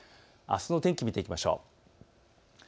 あすの天気、見ていきましょう。